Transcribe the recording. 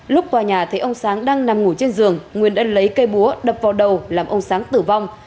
lúc tòa nhà thấy ông sáng đang nằm ngủ trên giường nguyên đã lấy cây búa đập vào đầu làm ông sáng tử vong